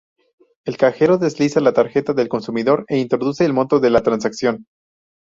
El cajero desliza la tarjeta del consumidor e introduce el monto de la transacción.